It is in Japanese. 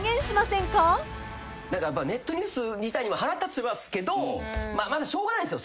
ネットニュース自体にも腹立ちますけどまだしょうがないんすよ。